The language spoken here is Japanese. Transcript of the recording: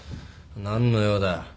何の用だ。